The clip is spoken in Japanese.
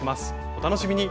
お楽しみに。